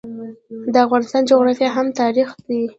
د افغانستان جغرافیه هم تاریخي ده.